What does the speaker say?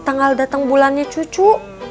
tanggal dateng bulannya cucu